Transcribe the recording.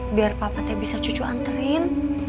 biar papa teh bisa cucu anterin